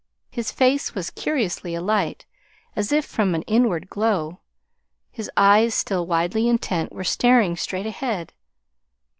His face was curiously alight, as if from an inward glow. His eyes, still widely intent, were staring straight ahead.